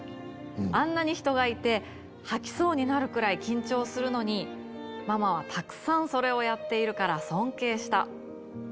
あんなに人がいて、吐きそうになるくらい緊張するのに、ママはたくさんそれをやっているから尊敬した。